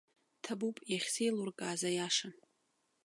Ҭабуп, иахьсеилуркааз аиаша.